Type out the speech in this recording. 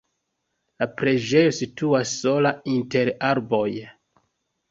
La preĝejo situas sola inter arboj.